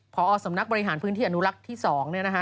พอสำนักบริหารพื้นที่อนุรักษ์ที่๒เนี่ยนะคะ